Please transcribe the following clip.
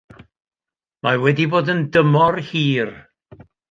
Mae wedi bod yn dymor hir